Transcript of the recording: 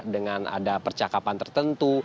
dengan ada percakapan tertentu